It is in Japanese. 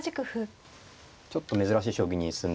ちょっと珍しい将棋に進んでます。